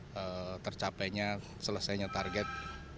dan mencapai target